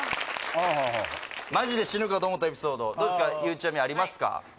はあはあマジで死ぬかと思ったエピソードどうですかゆうちゃみありますか？